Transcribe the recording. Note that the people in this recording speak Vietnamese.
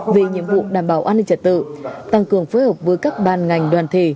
về nhiệm vụ đảm bảo an ninh trật tự tăng cường phối hợp với các ban ngành đoàn thể